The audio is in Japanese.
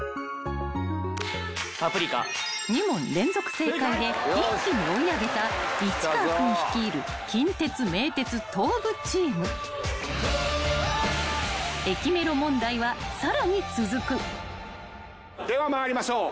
『パプリカ』［２問連続正解で一気に追い上げた市川君率いる近鉄・名鉄・東武チーム］では参りましょう。